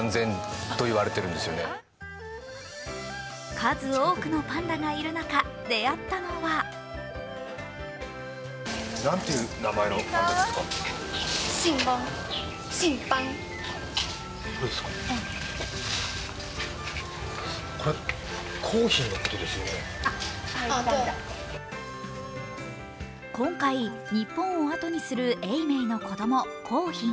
数多くのパンダがいる中出会ったのは今回、日本をあとにする永明の子供、幸浜。